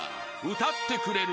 ［歌ってくれるのは］